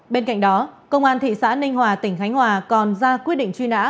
bên cạnh đó công an thị xã ninh hòa tỉnh khánh hòa còn ra quyết định truy nã